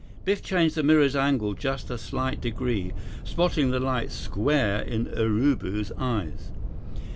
Biff changed the mirror's angle just a slight degree, spotting the light square in Urubu's eyes.